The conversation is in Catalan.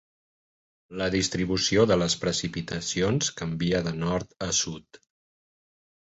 La distribució de les precipitacions canvia de nord a sud.